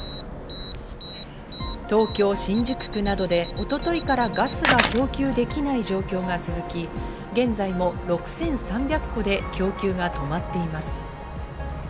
東京・新宿区などで一昨日からガスが供給できない状況が続き、現在も６３００戸で供給が止まっています。